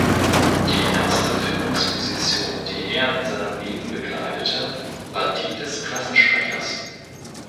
Die erste Führungsposition, die er in seinem Leben bekleidete, war die des Klassensprechers.